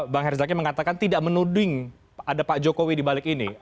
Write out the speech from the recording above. bang herzlake mengatakan tidak menuding ada pak jokowi di balik ini